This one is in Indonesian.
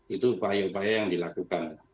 itu upaya upaya yang dilakukan